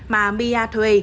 mà mia thuê